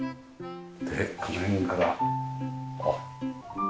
でこの辺からあっ。